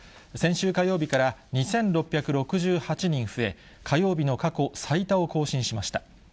先週火曜日から２６６８人増え、火曜日の過去最多を更新しました。